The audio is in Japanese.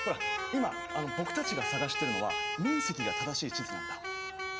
今僕たちが探してるのは面積が正しい地図なんだ。